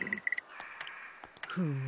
フム？